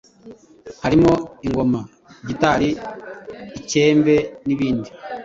harimo ingoma, gitari, icyembe n’ibindi